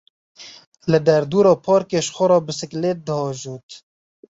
Li derdora parkê ji xwe re bisiklêt diajot.